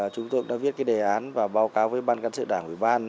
chúng tôi đã viết đề án và báo cáo với ban căn sự đảng hội ban